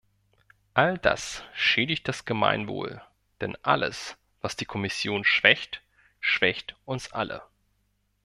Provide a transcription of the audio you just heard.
All das schädigt das Gemeinwohl, denn alles, was die Kommission schwächt, schwächt uns alle.